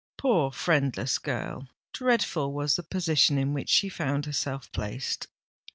Poor friendless girl! dreadful was the position in which she found herself placed!